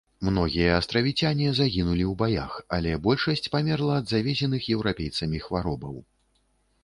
Многія астравіцяне загінулі ў баях, але большасць памерла ад завезеных еўрапейцамі хваробаў.